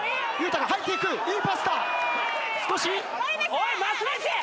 おい松道！